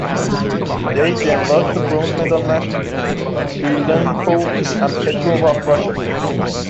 They then lost the bronze medal match to Kirilenko and Petrova of Russia.